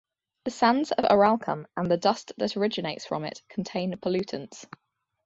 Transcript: The sands of the Aralkum and the dust that originates from it contain pollutants.